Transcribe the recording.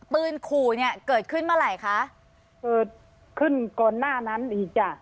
ปืนขู่เนี่ยเกิดขึ้นเมื่อไหร่คะเกิดขึ้นก่อนหน้านั้นอีกจ้ะ